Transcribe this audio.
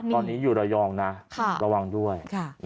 ตอนนี้อยู่ระยองนะระวังด้วย